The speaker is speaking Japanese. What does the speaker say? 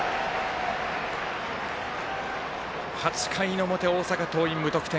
８回の表、大阪桐蔭、無得点。